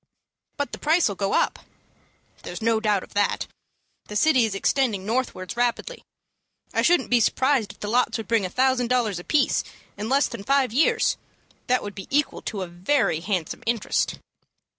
"But the price'll go up." "There is no doubt of that. The city is extending northwards rapidly. I shouldn't be surprised if the lots would bring a thousand dollars apiece in less than five years. This would be equal to a very handsome interest."